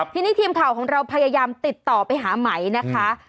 ทีนี้ทีมข่าวของเราพยายามติดต่อไปหาไหมนะคะ